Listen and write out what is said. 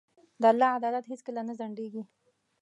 د الله عدالت هیڅکله نه ځنډېږي.